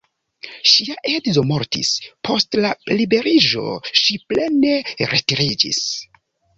Ŝia edzo mortis, post la liberiĝo ŝi plene retiriĝis.